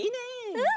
うん。